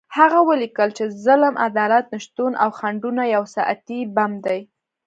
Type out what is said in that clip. هغه ولیکل چې ظلم، عدالت نشتون او خنډونه یو ساعتي بم دی.